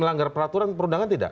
melanggar peraturan perundangan tidak